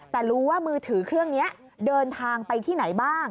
แต่รู้ว่ามือถือเครื่องนี้เดินทางไปที่ไหนบ้าง